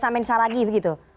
sama insya allah gitu